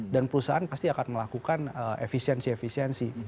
dan perusahaan pasti akan melakukan efisiensi efisiensi